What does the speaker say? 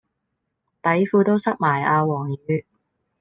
底褲都濕埋啊黃雨